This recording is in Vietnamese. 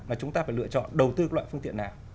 mà chúng ta phải lựa chọn đầu tư loại phương tiện nào